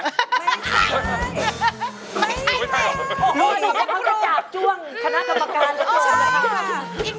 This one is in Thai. ต้องมาข่าบจ้วงธนาการการศาสตร์